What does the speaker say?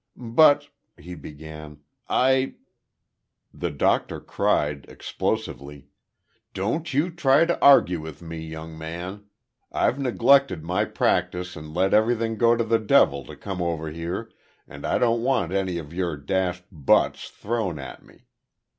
"But," he began, "I " The doctor cried, explosively: "Don't you try to argue with me, young man. I've neglected my practice and let everything go to the devil to come over here, and I don't want any of your dashed buts thrown at me.